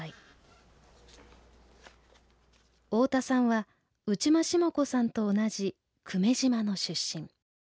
大田さんは内間シマ子さんと同じ久米島の出身。